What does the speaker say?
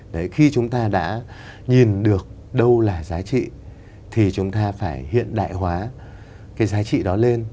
đấy khi chúng ta đã nhìn được đâu là giá trị thì chúng ta phải hiện đại hóa cái giá trị đó lên